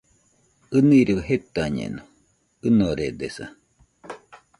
ɨniroi jɨtañeno, ɨnoredesa.